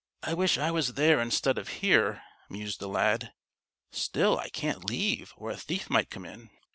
"I wish I was there, instead of here," mused the lad. "Still I can't leave, or a thief might come in.